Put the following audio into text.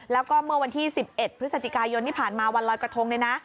แล้วก็เมื่อวันที่๑๑พฤศจิกายนที่ผ่านมาวันลอยกระทงเนี่ยนะ